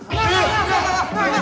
tidak tidak tidak